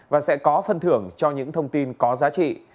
và sẽ có phân thưởng cho những thông tin có giá trị